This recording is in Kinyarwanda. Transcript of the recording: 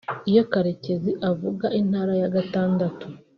Iyo Karekezi avuga Intara ya Gatandatu